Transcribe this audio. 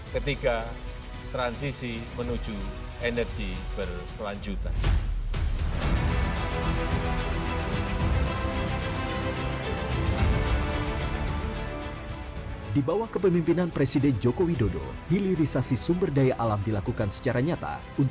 ketika transisi menuju energi berkelanjutan